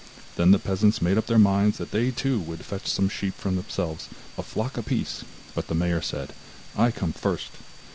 Then the peasants made up their minds that they too would fetch some sheep for themselves, a flock apiece, but the mayor said: 'I come first.